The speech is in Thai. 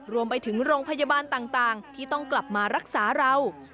รวมไปถึงโรงพยาบาลต่างที่ต้องกลับมารักษาเรา